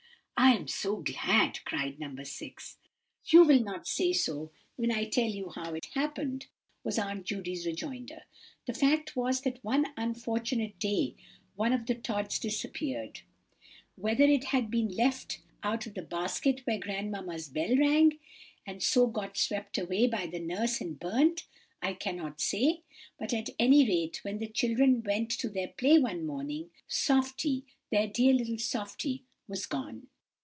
"I am so glad," cried No. 6. "You will not say so when I tell you how it happened," was Aunt Judy's rejoinder. "The fact was, that one unfortunate day one of the Tods disappeared. Whether it lead been left out of the basket when grandmamma's bell rang, and so got swept away by the nurse and burnt, I cannot say; but, at any rate, when the children went to their play one morning, 'Softy,' their dear little 'Softy,' was gone.